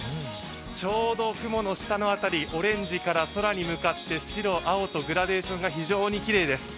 ちょうど雲の下の辺り、オレンジから空に向かって白、青とグラデーションが非常にきれいです。